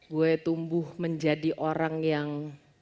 gue tumbuh menjadi orang yang